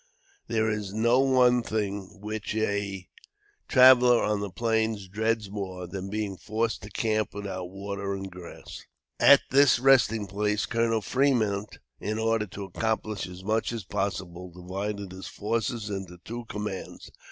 There is no one thing which a traveler on the plains dreads more than being forced to camp without water and grass. At this resting place Colonel Fremont, in order to accomplish as much as possible, divided his forces into two commands.